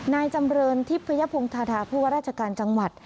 นายจำเรินทิพยพงธาดาผู้ว่าราชการจังหวัด